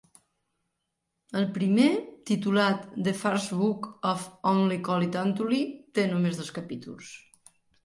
El primer, titulat "The First Book of Athlyi Called Athlyi", té només dos capítols.